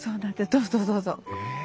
どうぞどうぞ。え！